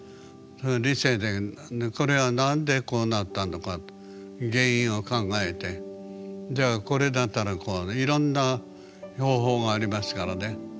その理性でこれは何でこうなったのか原因を考えてじゃあこれだったらこういろんな方法がありますからね。